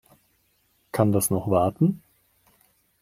Kann das noch warten?